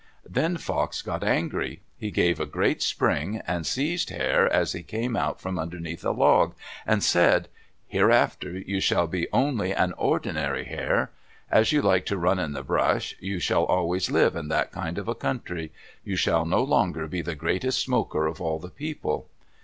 Then Fox got angry. He gave a great spring, and seized Hare as he came out from underneath a log, and said, "Hereafter you shall be only an ordinary hare. As you like to run in the brush, you shall always live in that kind of a country. You shall no longer be the greatest smoker of all the people."